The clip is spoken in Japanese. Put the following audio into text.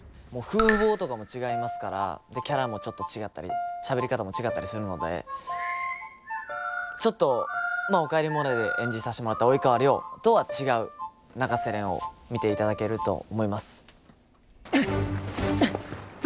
もう風貌とかも違いますからキャラもちょっと違ったりしゃべり方も違ったりするのでちょっと「おかえりモネ」で演じさせてもらった及川亮とは違う永瀬廉を見ていただけると思います。